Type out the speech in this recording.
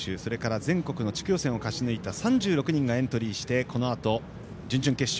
全国の地区予選を勝ち抜いた３６人がエントリーしてこのあと準々決勝。